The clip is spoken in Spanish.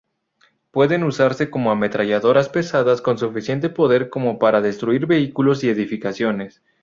Pueden usarse como ametralladoras pesadas con suficiente poder como para destruir vehículos y edificaciones.